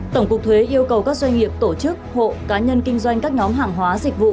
tổng cục thuế yêu cầu các doanh nghiệp tổ chức hộ cá nhân kinh doanh các nhóm hàng hóa dịch vụ